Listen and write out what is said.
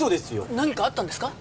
何かあったんですか？